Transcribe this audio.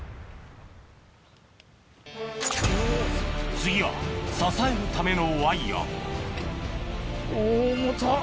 次は支えるためのワイヤ重たっ。